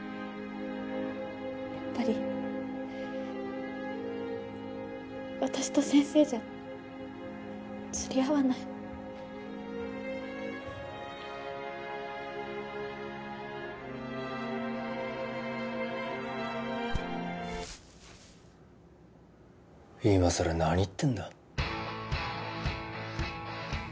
やっぱり私と先生じゃ釣り合わないいまさら何言ってんだえっ？